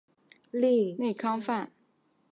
原作川内康范。